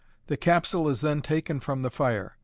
The capsule is then taken from the fire.